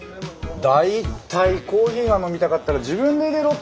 大体コーヒーが飲みたかったら自分でいれろって話ですよね？